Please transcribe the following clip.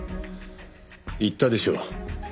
言ったでしょう。